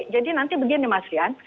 jadi nanti begini mas rian